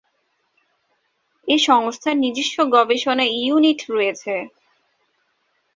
এ সংস্থার নিজস্ব গবেষণা ইউনিট রয়েছে।